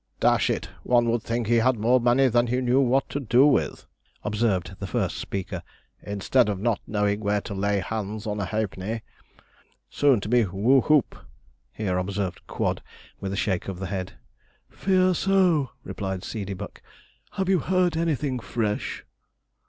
'Dash it! one would think he had more money than he knew what to do with,' observed the first speaker, 'instead of not knowing where to lay hands on a halfpenny.' 'Soon be who hoop,' here observed Quod, with a shake of the head. 'Fear so,' replied Seedeybuck. 'Have you heard anything fresh?'